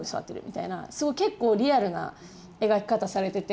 すごい結構リアルな描き方されてて。